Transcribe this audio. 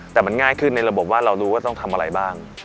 แต่มันง่ายขึ้นในระบบว่าเรารู้ว่าต้องทำอะไรบ้าง